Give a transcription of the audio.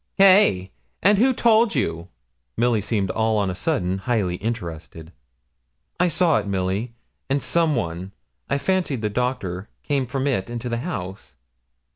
'Hey! and who told you?' Milly seemed all on a sudden highly interested. 'I saw it, Milly; and some one, I fancy the doctor, came from it into the house.'